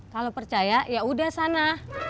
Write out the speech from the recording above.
kalau percaya ya udah sana